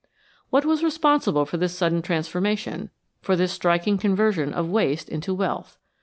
What was responsible for this sudden transformation, for this striking conversion of waste into wealth